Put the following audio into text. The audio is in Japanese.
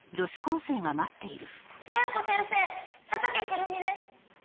麻弥子先生佐竹玖瑠美です。